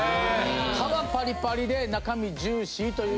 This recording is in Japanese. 皮パリパリで中身ジューシーという。